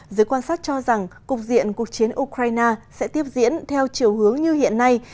giới quan sát cho rằng cục diện cuộc chiến ukraine sẽ tiếp diễn theo chiều hướng như hiện nay